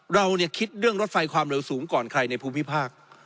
เราคิดเรื่องรถไฟความเร็วสูงก่อนใครในภูมิภาค